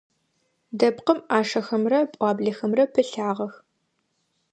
Дэпкъым ӏашэхэмрэ пӏуаблэхэмрэ пылъагъэх.